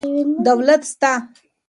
دولت سته.